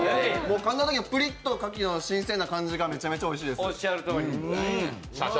かんだときプリッとかきの新鮮な感じがめちゃくちゃおいしいです。